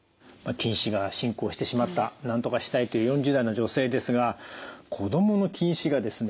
近視が進行してしまったなんとかしたいという４０代の女性ですが子どもの近視がですね